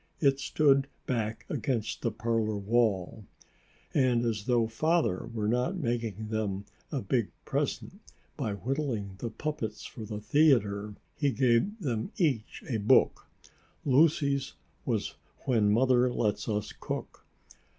It stood back against the parlor wall. And as though Father were not making them a big present by whittling the puppets for the theatre, he gave them each a book. Lucy's was "When Mother Lets Us Cook."